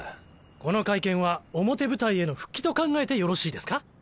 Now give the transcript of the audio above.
この会見は表舞台への復帰と考えてよろしいですか？